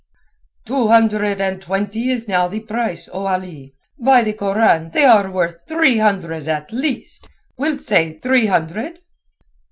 "Two hundred and twenty is now the price, O Ali! By the Koran, they are worth three hundred at the least. Wilt say three hundred?"